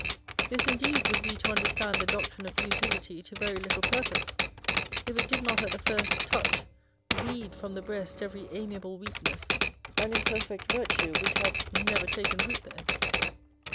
This indeed would be to understand the doctrine of Utility to very little purpose, if it did not at the first touch weed from the breast every amiable weakness and imperfect virtue which had â€" never taken root there.